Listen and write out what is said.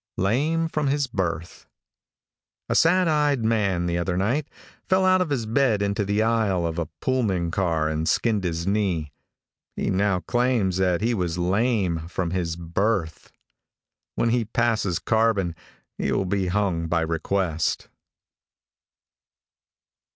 LAME FROM HIS BERTH. |A SAD EYED man, the other night, fell out of his bed into the aisle of a Pullman car and skinned his knee. He now claims that he was lame from his berth. When he passes Carbon he will be hung by request.